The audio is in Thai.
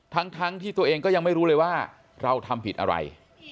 ทั้งที่ตัวเองก็ยังไม่รู้เลยว่าเราทำผิดอะไร